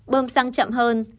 bơm xăng chậm hơn